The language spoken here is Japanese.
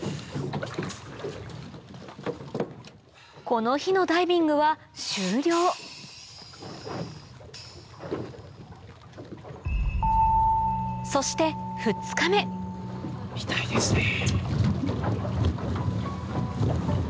この日のダイビングは終了そして見たいですね。